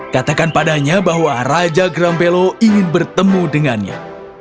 katakan padanya bahwa raja grambelo ingin bertemu dengannya